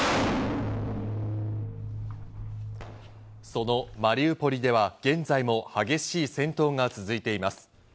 そのマリウポリでは現在も激しい戦闘が続いています。